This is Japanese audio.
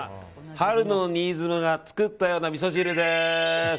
春の新妻が作ったようなみそ汁です。